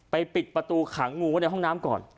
ไปปิดประตูถังงูในห้องน้ำก่อน